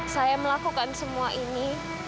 saya melakukan semua ini